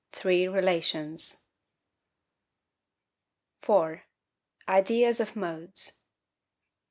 RELATIONS. 4. Ideas of Modes.